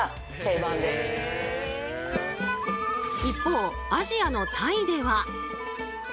一方アジアのタイでは。